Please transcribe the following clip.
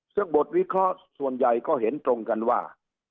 ซึ่งบทวิเคราะห์ส่วนใหญ่ก็เห็นตรงกันว่า